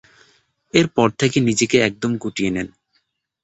এর পর থেকে নিজেকে একদম গুটিয়ে নেন।